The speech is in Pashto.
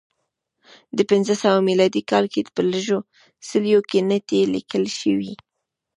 د پنځه سوه میلادي کال کې په لږو څلیو کې نېټې لیکل شوې